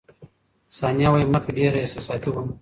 ثانیه وايي، مخکې ډېره احساساتي وم.